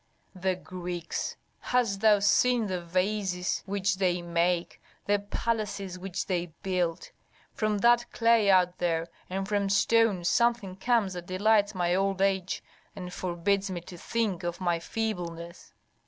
"The Greeks! Hast thou seen the vases which they make, the palaces which they build? From that clay out there and from stone something comes that delights my old age and forbids me to think of my feebleness.